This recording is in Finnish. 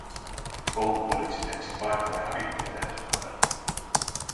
Koulupoliisi lensi paikalle hävittäjälentokoneella